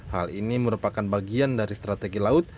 hal ini merupakan bagian dari strategi laut